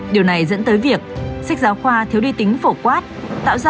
điều này dẫn tới việc sách giáo khoa thiếu đi tính phổ quát